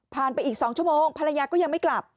ไปอีก๒ชั่วโมงภรรยาก็ยังไม่กลับ